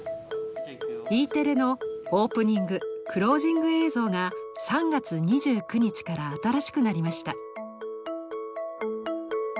Ｅテレのオープニングクロージング映像が３月２９日から新しくなりました。